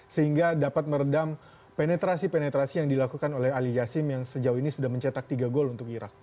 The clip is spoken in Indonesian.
sehingga dapat meredam penetrasi penetrasi yang dilakukan oleh ali yassin yang sejauh ini sudah mencetak tiga gol untuk irak